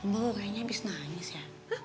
memburu kayaknya abis nangis ya